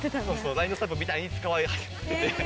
ＬＩＮＥのスタンプみたいに使われ始めてて。